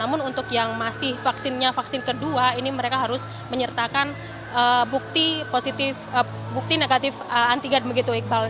namun untuk yang masih vaksinnya vaksin kedua ini mereka harus menyertakan bukti positif negatif antigen begitu iqbal